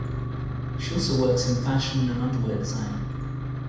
She also works in fashion and underwear design.